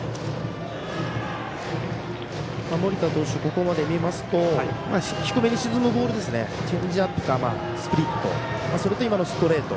ここまで見ますと低めに沈むボールチェンジアップかスプリットそれで今のストレート